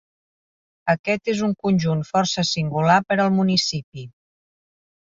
Aquest és un conjunt força singular per al municipi.